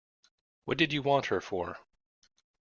What did you want her for?